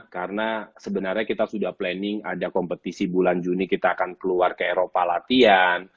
karena sebenarnya kita sudah planning ada kompetisi bulan juni kita akan keluar ke eropa latihan